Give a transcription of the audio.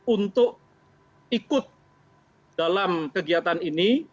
untuk ikut dalam kegiatan ini